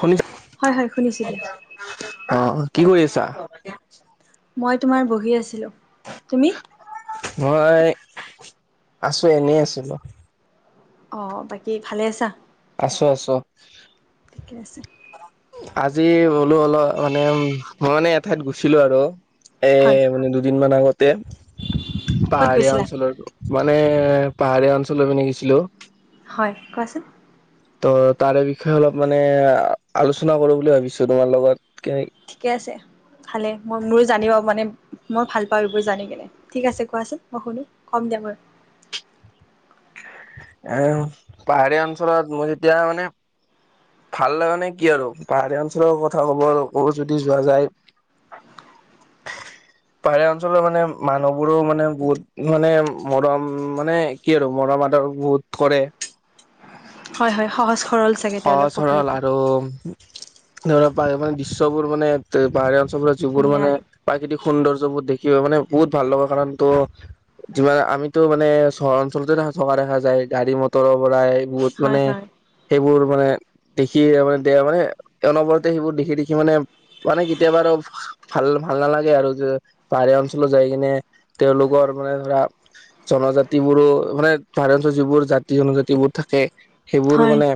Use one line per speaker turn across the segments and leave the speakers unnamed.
শুনিছ
হয় হয় শুনিছোঁ দিয়া
অ কি কৰি আছা
মই তোমাৰ বহি আছিলো তুমি
মই আছোঁ এনেই আছিলোঁ
অ বাকী ভালে আছা
আছো আছো
ঠিকে আছে
আজি ব'লো অলপ মানে উ মই মানে এঠাইত গুছিলো আৰু এ
হয়
মানে দুদিন মান আগতে
ক'ত
পাহাৰীয়া
গৈছিলা
অঞ্চলৰো মানে পাহাৰীয়া অঞ্চলৰ পি নকিছিলো
হয় কোৱাচোন
ত তাৰে বিষয়ে অলপ মানে আলোচনা কৰো বুলি ভাবিছো তোমাৰ লগত কে
ঠিকে আছে ভালে মই মোৰো জানিব পা মানে মই ভাল পাওঁ এইবোৰ জানি কেনে ঠিক আছে কোৱাচোন মই শুনো ক দোব
[inaudible] এ পাহাৰীয়া অঞ্চলত মই যেতিয়া মানে ভাল লগাানে কি আৰু পাহাৰীয়া অঞ্চলৰ কথা কব যদি যোৱা যায় [inaudible] পাহাৰীয়া অঞ্চলৰ মানে মানুহবোৰো মানে বহুত মানে মৰম মানে কি আৰু মৰম আম বহুত কৰে
হয় হয় সহজ সৰল চাগে
সহজ
তেওঁলোক
সৰল
প্ৰকৃতি
আৰু ধৰা পাহাৰ দৃশ্যবোৰ মানে পাহাৰীয়া অঞ্চলবোৰত যিবোৰ
ধুনীয়া
মানে
আৰু
প্ৰাকৃতিক সৌন্দৰ্যবোৰ দেখি কি হয় মানে বহুত ভাল লগা কাৰণ ত' যোৱা আমিতো মানে চহৰ অঞ্চলতে দো থকা দেখা যায় গাড়ী মটৰৰ পৰাই বহুত
হয়
মানে
হয়
সেইবোৰ মানে দেখি মানে দে মানে অনবৰতে সেইবোৰ দেখি দেখি মানে মানে কেতিয়াবা আৰু ভাল ভাল নালাগে আৰু যে বাইৰা অঞ্চলত যাই কিনে তেওঁলোকৰ মানে ধৰা জনজাতি বোৰো মানে [unintelligible] যিবোৰ জাতি জনজাতি বোৰ থাকে সেইবোৰো
হয়
মানে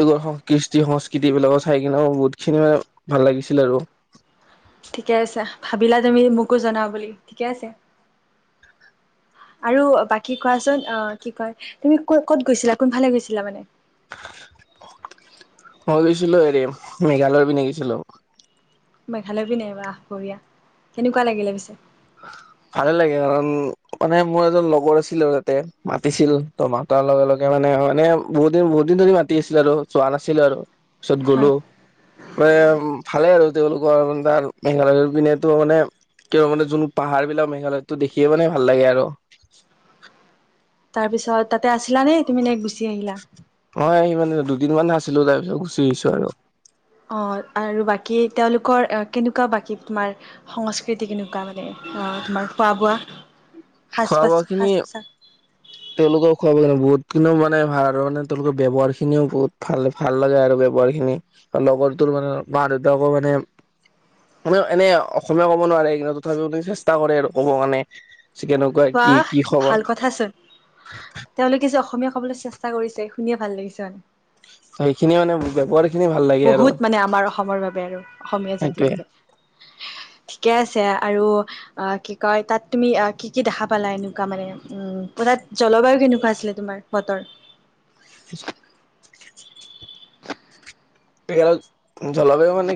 তেওঁৰ কৃষ্টি সংস্কৃতি এইবিলাকক চাই কিনেও বহুত খিনি ম ভাল লাগিছিল আৰু [unintelligible]
ঠিকে আছা ভাবিলা তুমি মোকো জনা বুলি ঠিকে আছে আৰু বাকী কোৱাচোন আহ কি কয় তুমি কত কত গৈছিলা কোনফালে গৈছিলা মানে
অ মই গৈছিলো হেৰি মেঘালয়ৰ পিনে গেছিলো
মেঘালয় পিনে বাহ বঢ়িয়া কেনেকুৱা লাগিলে পিছে
ভালে লাগে কাৰণ মানে মোৰ এজন লগৰ আছিল আৰু তাতে মাতিছিল ত মা হত ইয়া লগে লগে মানে মানে বহুত দিন বহুত দিন ধৰি মাতি আছিলে আৰু যোৱা নাছিলো আৰু তাৰ পিছত
হয়
গলো মে আ ভালে আৰু তেওঁলোকৰে তাৰ মেঘালয়ৰ পিনেতো মানে কে মানে যোন পাহাৰ বিলাক মেঘালয়টো দেখিয়ে মানে ভাল লাগে আৰু
তাৰপিছত তাতে আছিলা নে তুমি নে গুচি আহিলা
মই মানে দুদিনমানান আছিলো তাৰ পিছত গুচি আহিছো আৰু
অ আৰু বাকী তেওঁলোকৰ কেনেকুৱা বাকী তোমাৰ সংস্কৃতি কেনেকুৱা [unintelligible] তোমাৰ খোৱা বোৱা সাজ পোছাক সাজ পোছাক
তেওঁলোকে খোৱাব বহুত খিনিও মানে ভাল আৰু মানে তেওঁলোকৰ ব্যৱহাৰ খিনিও বহুত ভাল ভাল লাগে আৰু ৰ খিনি লগৰটোৰ মানে মা দেউতাকো মানে মান এনে অসমীয়া ক'ব নোৱাৰে কিন্তু তথাপিও ম চেষ্টা কৰে আৰু ক'ব কাৰণে কেনেকুৱা কি
বাহ
কি
ভাল
খবৰ?
কথাচোন তেওঁলোকে অসমীয়া ক'বলৈ চেষ্টা কৰিছে শুনিয়ে ভাল লাগিছে মানে
সেইখিনিয়ে মানে ব্যৱহাৰ খিনি ভাল লাগে আৰু
বহুত মানে আমাৰ অসমৰ বাবে আৰু অসমীয়া জাতিৰ বাবে
হ [inaudible]
ঠিকে আছে আৰু অ কি কয় তাত তুমি কি কি দেখা পালা এনেকুৱা মানে উম পুৰা তাত জলবায়ু কেনেকুৱা আছিলে তোমাৰ বতৰ
ন [unintelligible] [unintelligible] জলবায়ু মানে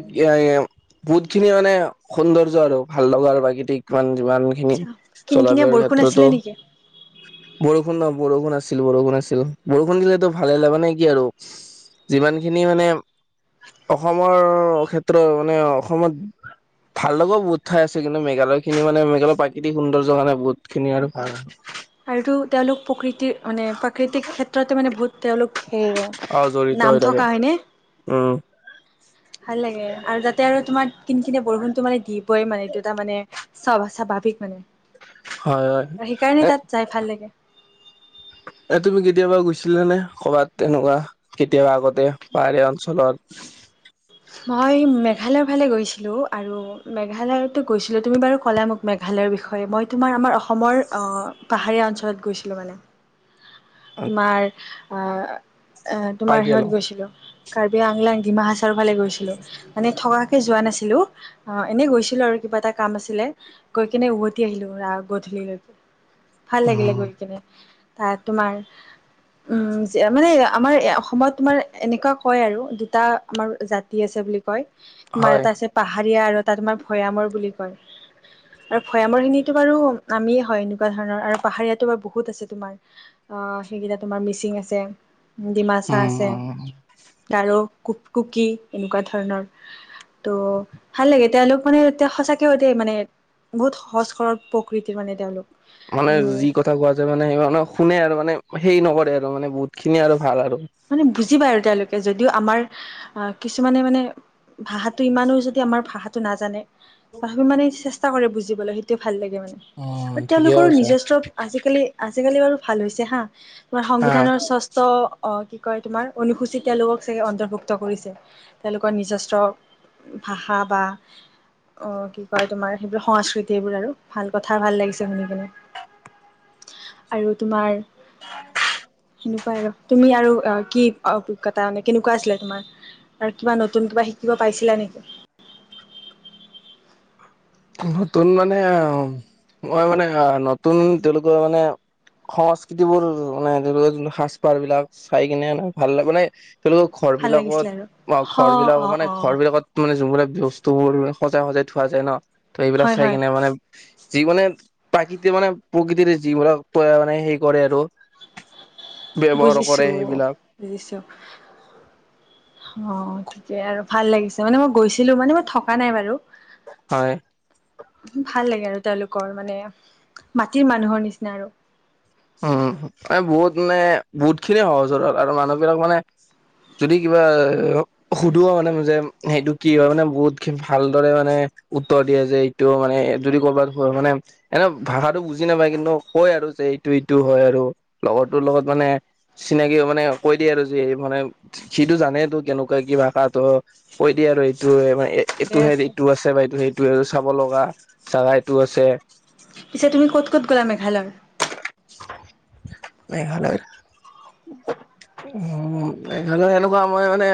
বহুত খিনি মানে সৌন্দৰ্য আৰু ভাল লগ প্ৰাকৃতিক যিমান যিমান খিনি
আচ্ছা কিনকিনীয়া
চলাবৰ
বৰষুণ
ক্ষেত্ৰতো
আছিলে নেকি?
বৰষুণ ন বৰষুণ আছিল বৰষুণ আছিল বৰষুণ দিলেতো ভালে লাগা নে কি আৰু যিমানখিনি মানে অসমৰ ক্ষেত্ৰ মানে অসমত ভাল লগাও বহুত ঠাই আছে কিন্তু মেঘালয় খিনি মানে মেঘালয়ৰ প্ৰাকৃতিক সুন্দৰ মানে বহুত খিনি আৰু ভাল
আৰুটো তেওঁলোক প্ৰকৃতিৰ মানে প্ৰাকৃতিক ক্ষেত্ৰতে মানে বহুত তেওঁলোক সেয়া
অ জড়িত হৈ
নাম
থাকে
থকা হয়নে
উম
ভাল লাগে আৰু যাতে আৰু তোমাক কিনি কিনে বৰষুণটো মানে দি দিবই মানে এইটো এটা মানে চা স্বাভাৱিক মানে
হয় হয়
সেইকাৰণে
এ
তাত যাই ভাল লাগে
এ তুমি কেতিয়াবা গৈছিলা নে কবাত তেনেকুৱা কেতিয়াবা আগতে পাহাৰিয়া অঞ্চলত [unintelligible]
মই মেঘালয়ৰ ফালে গৈছিলোঁ আৰু মেঘালয়তো গৈছিলোঁ তুমি বাৰু ক'লা মোক মেঘা মেঘালৰ বিষয়ে মই তোমাৰ আমাৰ অসমৰ অ পাহাৰীয়া অঞ্চলত গৈছিলোঁ মানে তোমাৰ আহ তোমাৰ
কাৰ্বি আলং
সিহত গৈছিলো কাৰ্বি আংলাং ডিমা হাচাৰৰ ফালে গৈছিলো মানে থকাকে যোৱা নাছিলো অ এনে গৈছিলো আৰু কিবা এটা কাম আছিলে গৈ কিনে উভতি আহিলো ৰা গধূলিলৈকে ভাল লাগিলে গৈ কেনে ত তোমাৰ উম মানে আমাৰ অসমত তোমাৰ এনেকুৱা কয় আৰু দুটা আমাৰ জাতি আছে বুলি কয়। তোমাৰ
হয়
এটা আছে পাহাৰীয়া আৰু এটা তোমাৰ ভৈয়ামৰ বুলি কয়। আৰু ভৈয়ামৰ খিনিতো বাৰু নামিয় হয় এনেকুৱা ধৰণৰ আৰু পাহাৰীয়াাতো বাৰু বহুত আছে তোমাৰ অ সেইকেইটা তোমাৰ মিচিং আছে ডিমাচা আছে গাৰ কুক কুকি এনেকুৱা ধৰণৰ ত' ভাল লাগে তেওঁলোক মানে এয়া সঁচাকেতে মানে বহুত সহজ সৰৰ প্ৰকৃতিৰ মানে তেওঁলোক
মানে
আৰু
যি কথা কোৱা যে মানে স মানে শুনে আৰু মানে হেৰি নকৰে আৰু মানে বহুত খিনি আৰু ভাল আৰু
মানে বুজ পা আৰু তেওঁলোকে যদিও আমাৰ আহ কিছুমানে মানে ভাষাটো ইমানো যদি আমাৰ ভাষাটো নাজানে তথাপি মমানে চেষ্টা কৰে বুজিবলৈ সেইটোে ভাল লাগে। মানে
অ
আৰু
ঠিকে
তেওঁলোকৰো
কৈছা
নিজস্ব আজিকালি আজিকালি বাৰু ভাল হৈছে হা। আমাৰ
আহ
সংবিধানৰ ষষ্ঠ কি কয় তোমাৰ অনুসূচীত তেওঁলোকক চাগে অন্তৰ্ভুক্ত কৰিছে তেওঁলোকৰ নিজস্ব ভাষা বা অ কি কয় তোমাৰ সেইবোৰ সংস্কৃতি এইবোৰ আৰু ভাল কথা ভাল লাগিছে শুনি কেনে আৰু তোমাৰ? হেনেকুৱা আৰু তুমি আৰু কি অভিজ্ঞতা মানে কেনেকুৱা আছিলে তোমাৰ আৰু কিবা নতুন কিবা শিকিব পাইছিলা নেকি?
নতুন মানে আহ মই মানে নতুন তেওঁলোকৰ মানে সংস্কৃতিবোৰ মানে ধৰি ল যোন সাজ পাৰ বিলাক চাই কিনে মানে ভাল লাগে মানে তেওঁলোকৰ ঘৰ
ভাল
বিলাকত
লাগিছিলে আৰু
অ ঘৰ বিলাক
অ
মানে
অ
ঘৰ বিলাকত মানে যোনবিলাক ব্যস বস্তুবোৰ সজাই সজাই থোৱা যায় ন ত এইবিলাক
হয়
চাই
হয়
কিনে মানে যি মানে প্ৰাকৃতি মানে প্ৰকৃতিৰে যিবিলাক মানে হে কৰে আৰু ব্যৱহাৰ
বুজিছো
কৰে সেইবিলাক
বুজিছো অ তাকে আৰু ভাল লাগিছে মানে মই গৈছিলো মানে মই থকা নাই বাৰু
হয়
ভাল লাগে আৰু তেওঁলোকে মানে মাটিৰ মানুহৰ নিচিনা আৰু
উম ম বহুত মানে বহুত খিনিয়ে সহজৰল আৰু মানুহবিলাক মানে যদি কিবা সুধো মানে যে সেইটো কি হয় মানে বহুত ভালদৰে মানে উত্তৰ দিয়ে যে এইটো মানে যদি ক'বাত মানে এনে ভাষাতটো বুজি নাপায় কিন্তু কয় আৰু যে- টো ইটো হয় আৰু লগৰ তো লগত মানে চিনাকি মানে কৈ দিয়ে আৰু যে এই মানে এইটো জানে তো কেনেকুৱা কি ভাষাতটো কৈ দিয় আৰু এইটো মানে এ এইটো সে এইটো আছে বাইদউ সেইটো চাব লগা জোগা এইটো আছে।
পিছে তুমি ক'ত ক'ত গ'লা মেঘালয়?
মেঘালয়ৰ উ মেঘালয় এনেকুৱা মই মানে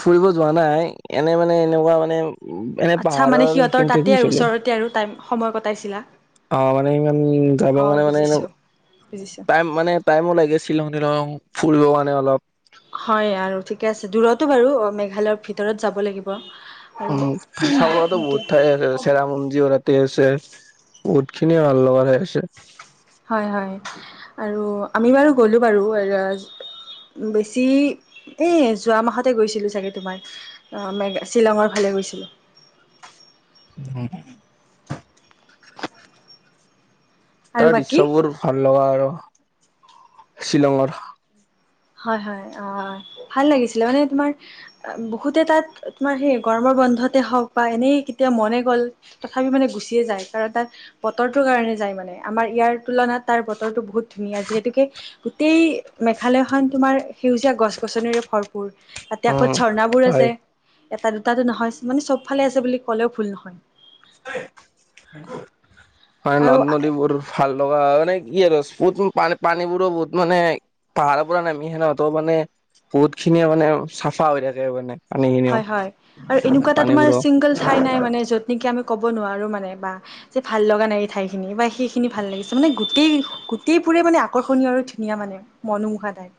ফুৰিব যোৱা নাই এনে মানে এনেকুৱা মানে এনে
আচ্ছা মানে
পাহাৰৰ
সিহঁতৰ
সেইখিনিতে
তাতে আৰু
গৈছিলো
ওচৰতে আৰু সময় কটাইছিলা।
অ মানে ইমান যাব
অ
কাৰণে মানোই
বুজিছো বুজিছো
মানে টাইম লাগে শ্বিলঙ ফুৰিব মানে অলপ
হয় আৰু ঠিকে আছে দূৰতো বাৰু মেঘালয়ৰ ভিতৰত যাব লাগিব। আৰু
উম চাব লগা
সেইটোৱে
বহুত থাই চেৰপুঙি আছে বহুত খিনিয়ে ভাল লগা থাই আছে।
হয় হয় আৰু আমি বাৰু গ'লো বাৰু এ বেছি এ যোৱা মাহতে গৈছিলো চাগে তোমাৰ অ মেগা শ্বিলঙৰ ফালে। গৈছিলোঁ।
হ
আৰু
তাৰ
বাকী
দৃশ্যবোৰ ভাল লগা আৰু শ্বিলঙৰ
হয় হয় অ ভাল লাগিছিলে মানে তোমাৰ বহুতে তাত তোমাৰ সেই গৰমৰ বন্ধতে হওঁক বা এনেই কেতিয়া মনে গ'ল তথাপি মানে গুচিয়ে যায় কাৰণ তাত বতৰটোৰ কাৰণে মানে আমাৰ ইয়াৰ তুলনাত তাৰ বতৰটো বহুত ধুনীয়া যিহেতুকে গোটেই মেঘালয় খন তোমাৰ সেউজীয়া গছ গছনিৰে ভৰপূৰ তাতে আকৌ
উম
ঝৰ্ণাবোৰ
হয়
আছে এটা দুটাটো নহয় মানে চব ফালে আছে বুলি ক'লেও ভুল নহয়
[unintelligible] হয়
আৰু
নদ নদীবোৰ ভাল লগা মানে কি আৰু বহুত পানীবোৰো বহুত মানে পাহাৰৰ পৰা নামি আহে ন তো মানে বহুত খিনিয়ে মানে চাফা হৈ থাকে মানে পানীখিনি
হয় হয় আৰু এনেকুৱা এটা তোমাৰ
পানীবোৰো।
চিংগল ঠাই নাই মানে য'ত নেকি আমি ক'ব ক'ব নোৱাৰো মানে ভাল লগা নাই সেই থাই খিনি বা সেই খিনি গোটেই বোৰে মানে আকৰ্ষণীয় আৰু ধুনীয়া মানে মনোমোহা টাইপ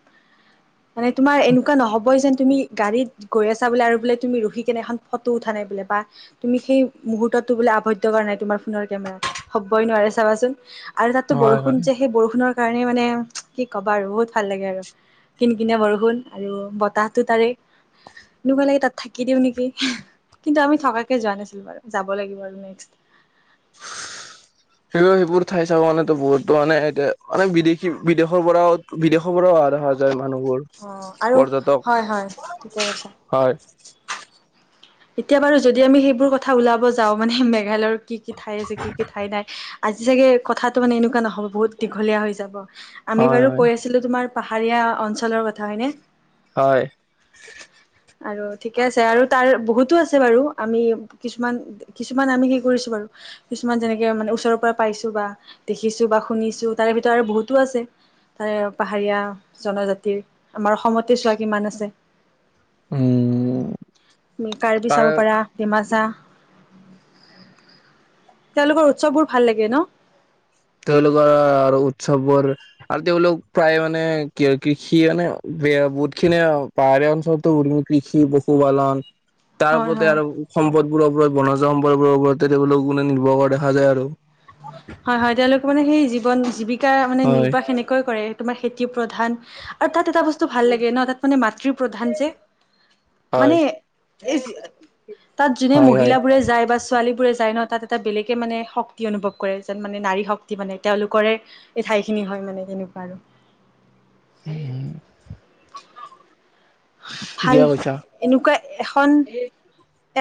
মানে তোমাৰ এনেকুৱা নহব যেন তুমি গাড়ীত গৈ আছা বোলে আৰু বোলে তুমি ৰখি কেনে এখন ফটো উঠা নাই বোলে বা তুমি সেই মুহুৰ্ততো বো আবদ্ধ কৰা নাই তোমাৰ কেমেৰাত হ'বই নোৱাৰে চাবাচোন আৰু তাতো
হয়
বৰষুণ
হয়
যে সেই বৰষুণৰ কাৰণে মানে কি ক'বা আৰু বহুত ভাল লাগে আৰু কিন কিনিয়া বৰষুণ আৰু বতাহটো তাৰে এনেকুৱা লাগে তাত থাকি দিওঁ নেকি কিন্তু আমি থকাকে যোৱা নাছিলো বাৰু যাব লাগিব আৰু নেক্স
[unintelligible] সেইবোৰ সেইবোৰ ঠাই চাব মানে বহুতো মানে এতিয়া মানে বিদেশী বিদেশৰ পৰাও বিদেশৰ পৰাও আৰু দেখা যায় মানুহবোৰ
অ আৰু হয় হয়
পৰ্যটক
ঠিকে কৈছা
হয়
এতিয়া বাৰু যদি আমি সেইবোৰ কথা ওলাব যাওঁ মানে মেঘালয়ৰ কি কি ঠাই আছে কি কি ঠাই নাই আজি চাগে কথাটো মানে এনেকুৱা নহ'ব বহুত দীঘলীয়া হৈ যাব আমি
হয়
বাৰু
হয়
কৈ আছিলো তোমাৰ পাহাৰীয়া অঞ্চলৰ কথা হয়নে?
হয়।
আৰু ঠিকে আছে আৰু তাৰ বহুতো আছে বাৰু আমি কিছুমান কিছুমান আমি সেই কৰিছো বাৰু কিছুমান যেনেকে মানে ওচৰৰ পাইছো বা দেখিছো বা শুনিছো তাৰে ভিতৰত আৰু বহুতো আছে। তাৰে পাহাৰীয়া জনজাতিৰ আমাৰ অসমতে চোৱা কিমান আছে।
উম
কাৰ্বি
তাৰে
চাব পাৰা ডিমাছা। তেওঁলোকৰ উৎসৱবোৰ ভাল লাগে ন।
তেওঁলোকৰ আৰু উৎসৱবোৰ আৰু তেওঁলোক প্ৰায় মানে কি কৃষি মানে বেয়া বহুত খিনি পায়। অঞ্চলোটো কৃষি পশুপালন তাৰ
হয়
ওপতে
হয়
আৰু সম্পদবোৰ ওপৰত বনজ সম্পদ বোৰ ওপৰতে তেওঁলক মানে নিৰ্ভৰ কৰা দেখা যায় আৰু।
হয় হয় তেওঁলোকে মানে সেই জীৱন জীৱিকা মানে
হয়
নিৰ্বাহ সেনেকৈ কৰে তোমাৰ খেতি প্ৰধান আৰু তাত- তাত এটা বস্তু ভাল লাগে ন তাত মানে মাতৃৰ প্ৰধান যে।
হয়
মানে এই তাত যোনে
হয় হয়
মহিলা বোৰে যায় বা ছোৱালী। ফুৰে যায় ন তাত এটা বেলেগে মানে শক্ত। অনুভৱ কৰে যেন মানে নাৰী শক্তি মানে তেওঁলোকৰে এই ঠাইখিনি হয় মানে হেনেকুৱা আৰু।
উম।
ভাল
কৈছা
এনেকুৱা এখন।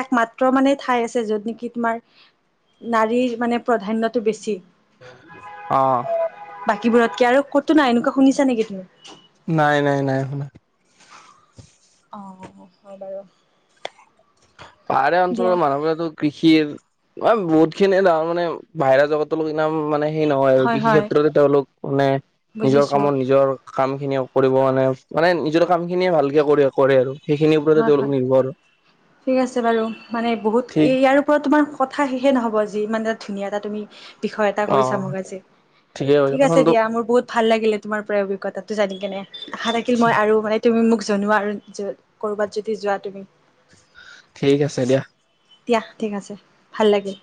একমাত্ৰ মানে ঠাই আছে যত নেকি তোমাৰ নাৰীৰ মানে প্ৰাধান্যটো বেছি।
অ'।
বাকীবোৰতকে আৰু কতো নাই এনেকুৱা শুনিছা নেকি তুমি।
নাই নাই নাই শুনা
অ অ হয় বাৰু
পাহাৰীয়া অঞ্চলৰ
দিয়া
মানুহবোৰেটো কৃষি কৃষিৰ বহুত খিনি ধৰা মানে বাহিৰা জগতৰ লগত। মানে সেই নহয় আৰু
হয়
কৃষি
হয়
ক্ষেত্ৰতে তেওঁলোক মানে নিজৰ
বুজিছো
কামত নিজৰ কাম- খিনিয় কৰিব মানে মানে নিজৰ কাম খিনিয়ে ভালকে কৰে কৰে আৰু। সেইখিনিৰ ওপৰতে
হয়
তেওঁলোক
হয়
নিৰ্ভৰ।
ঠিক আছে বাৰু মানে বহুত
ঠিক
ইয়াৰ ওপৰত তোমাৰ কথা শেষে নহ'ব যি ই মানে এটা ধুনীয়া এটা তুমি। বিষয় এটা কৈছা
অ'
মোক আজি
ঠিকেই কৈছা।
ঠিক আছে দিয়া মোৰ বহুত ভাল লাগিলে। তোমাৰ পৰা অভিজ্ঞতাটো জানি কেনে আশা থাকিল মই আৰু মানে তুমি মোক জনোৱা আৰু- ক'ৰবাত যদি যোৱা তুমি।
ঠিক আছে দিয়া।
দিয়া ঠিক আছে ভাল লাগিল।